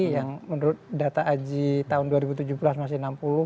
yang menurut data aji tahun dua ribu tujuh belas masih enam puluh